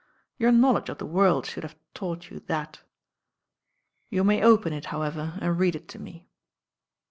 Your knowledge of the world should have taught you that. You may open it, however, and read it to me."